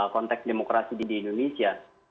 konteks demokrasi di indonesia